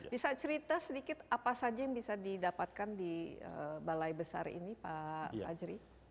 bisa cerita sedikit apa saja yang bisa didapatkan di balai besar ini pak fajri